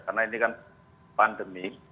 karena ini kan pandemi